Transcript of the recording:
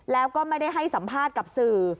แล้วก็ไม่ได้ให้สัมภาษณ์กับสื่อ